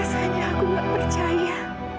rasanya aku gak percaya